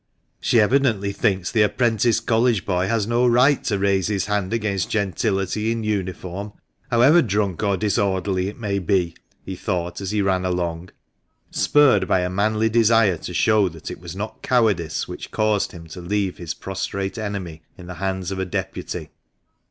" She evidently thinks the apprentice College boy has no right to raise his hand against gentility in uniform, how ever drunk or disorderly it may be," he thought, as he ran along, spurred by a manly desire to show that it was not cowardice which had caused him to leave his prostrate enemy in the hands of a deputy.